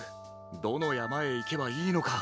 どのやまへいけばいいのか。